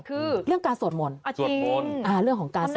คือเรื่องการสวดมนต์สวดมนต์เรื่องของการสวด